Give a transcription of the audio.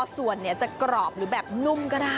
ส่วนจะกรอบหรือแบบนุ่มก็ได้